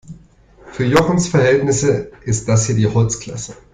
Für Jochens Verhältnisse ist das hier Holzklasse.